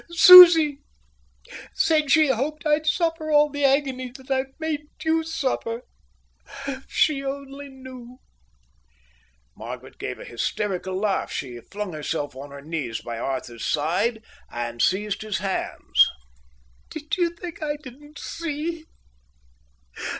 Susie said she hoped I'd suffer all the agony that I've made you suffer. If she only knew!" Margaret gave a hysterical laugh. She flung herself on her knees by Arthur's side and seized his hands. "Did you think I didn't see?